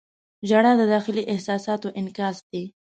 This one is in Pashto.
• ژړا د داخلي احساساتو انعکاس دی.